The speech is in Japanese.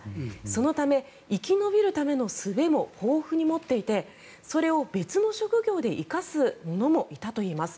そのため生き延びるためのすべも豊富に持っていてそれを別の職業で生かす者もいたといいます。